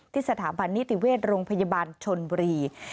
สถาบันนิติเวชโรงพยาบาลชนบุรี